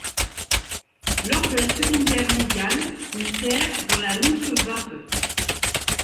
Lors de la Seconde Guerre mondiale, il sert dans la Luftwaffe.